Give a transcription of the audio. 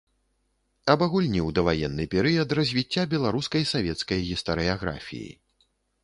Абагульніў даваенны перыяд развіцця беларускай савецкай гістарыяграфіі.